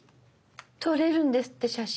撮れるんですって写真。